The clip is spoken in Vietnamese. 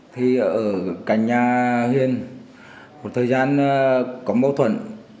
thì ở cả nhà huyện một thời gian có mâu thuẫn